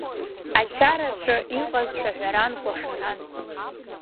Ачараҿы иҟаз шәаҳәаран кәашаран.